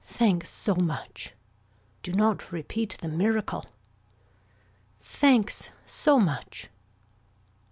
Thanks so much. Do not repeat the miracle. Thanks so much.